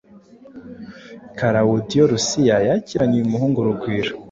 Kilawudiyo Lusiya yakiranye uyu muhungu urugwiro